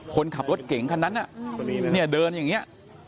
คนขับรถเก่งคันนั้นเนี่ยเดินอย่างนี้